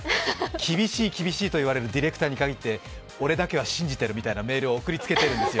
厳しい厳しいと言われるディレクターに限って、俺だけは信じてるみたいなメールを送りつけてるんですよ。